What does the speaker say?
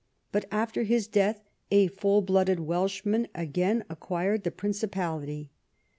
But after his death a full blooded Welshman again ac quired the Principality.